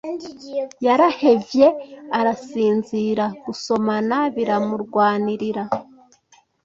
yarahevye arasinzira gusomana biramurwanirira